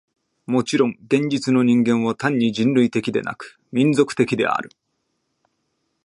もちろん現実の人間は単に人類的でなく、民族的である。